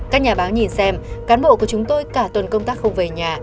các nhà báo nhìn xem cán bộ của chúng tôi cả tuần công tác không về nhà